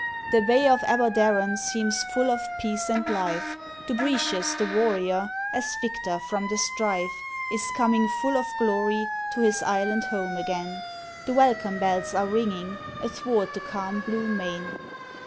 The Bay of Aberdaron Seems full of peace and life, Dubritius the Warrior, As victor from the strife, Is coming full of glory, To his Island Home again; The welcome bells are ringing, Athwart the calm blue main.